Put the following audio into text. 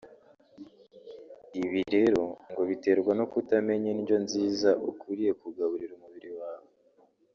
ibi rero ngo biterwa no kutamenya indyo nziza ukwiriye kugaburira umubiri wawe